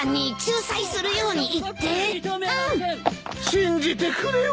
信じてくれよ。